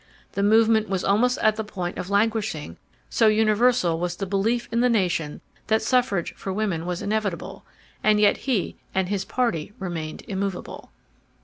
The movement was almost at the point of languishing so universal was the belief in the nation that suffrage for women was inevitable. And yet he and his party remained immovable.